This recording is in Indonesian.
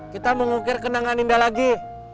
kita mau ngukir kenangan indah lagi